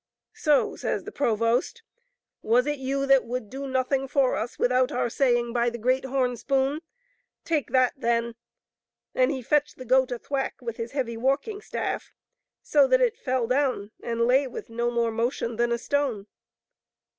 " So !" says the provost, " was it you that would do nothing for us without our saying, *By the great horn spoon?' Take that then!" And he fetched the goat a thwack with his heavy walkings staff so that it fell down, and lay with no more motion than a stone.